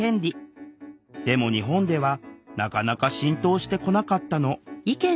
でも日本ではなかなか浸透してこなかったの。